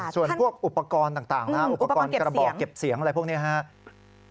ส่วนพวกอุปกรณ์ต่างอุปกรณ์กระบอกเก็บเสียงอะไรพวกนี้ครับ